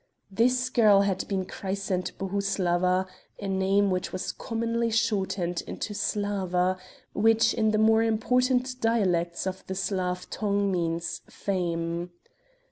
This girl had been christened Bohuslawa, a name which was commonly shortened into Slawa, which in the more important dialects of the Slav tongue means Fame.